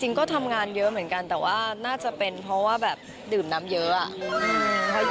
ก็ทำงานเยอะเหมือนกันแต่ว่าน่าจะเป็นเพราะว่าแบบดื่มน้ำเยอะอะ